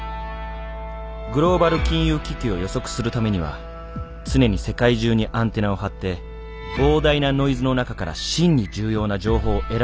「グローバル金融危機を予測するためには常に世界中にアンテナを張って膨大なノイズの中から真に重要な情報を選び出す分析力が必要です。